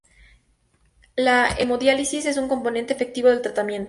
La hemodiálisis es un componente efectivo del tratamiento.